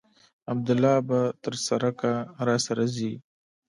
عبدالله به تر سړکه راسره ځي.